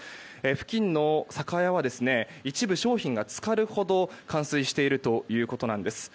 付近の酒屋は一部商品が浸かるほど冠水しているということなんです。